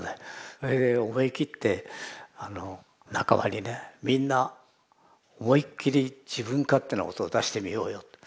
それで思い切って仲間にねみんな思いっ切り自分勝手な音を出してみようよって。